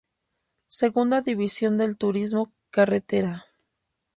Segunda división del Turismo Carretera.